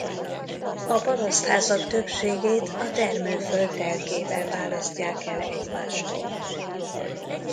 A parasztházak többségét a termőföld telkével választják el egymástól.